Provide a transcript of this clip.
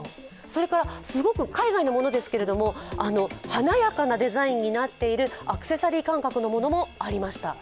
それから、海外のものですが、華やかなデザインになっているアクセサリー感覚のものもありました。